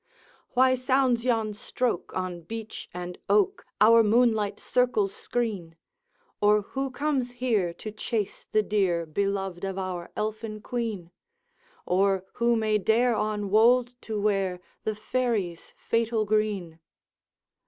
'Why sounds yon stroke on beech and oak, Our moonlight circle's screen? Or who comes here to chase the deer, Beloved of our Elfin Queen? Or who may dare on wold to wear The fairies' fatal green?